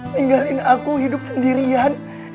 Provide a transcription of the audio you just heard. tinggalin aku hidup sendirian